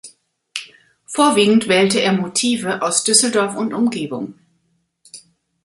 Vorwiegend wählte er Motive aus Düsseldorf und Umgebung.